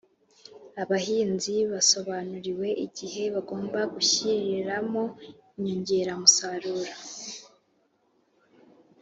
abahinzi basobanuriwe igihe bagomba gushyiriramo inyongera musaruro